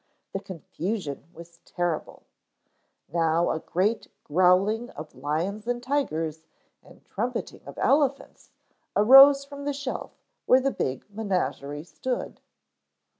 The confusion was terrible. Now a great growling of lions and tigers and trumpeting of elephants arose from the shelf where the big menagerie stood.